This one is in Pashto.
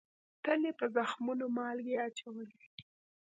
تل یې په زخمونو مالگې اچولې